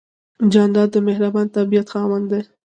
جانداد د مهربان طبیعت خاوند دی.